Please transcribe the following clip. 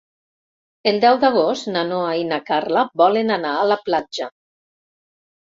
El deu d'agost na Noa i na Carla volen anar a la platja.